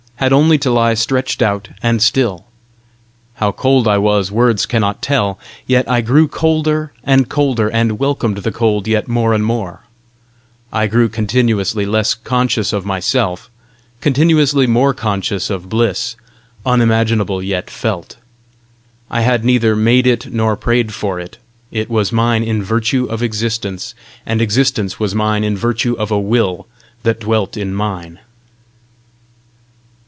had only to lie stretched out and still! How cold I was, words cannot tell; yet I grew colder and colder and welcomed the cold yet more and more. I grew continuously less conscious of myself, continuously more conscious of bliss, unimaginable yet felt. I had neither made it nor prayed for it: it was mine in virtue of existence! and existence was mine in virtue of a Will that dwelt in mine.